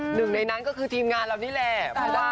หนึ่งในนั้นก็คือทีมงานเรานี่แหละ